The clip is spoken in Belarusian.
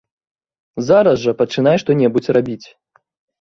Зараз жа пачынай што-небудзь рабіць.